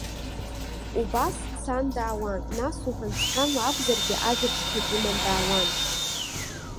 Убас дцан даауан, нас уҳәан-сҳәанла акәзаргьы ажәабжьқәак иман даауан.